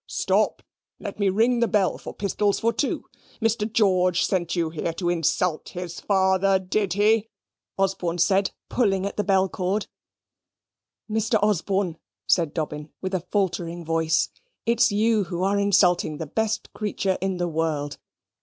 Stop, let me ring the bell for pistols for two. Mr. George sent you here to insult his father, did he?" Osborne said, pulling at the bell cord. "Mr. Osborne," said Dobbin, with a faltering voice, "it's you who are insulting the best creature in the world.